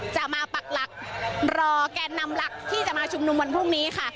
จะมาปักหลักรอแกนนำหลักที่จะมาชุมนุมวันพรุ่งนี้ค่ะ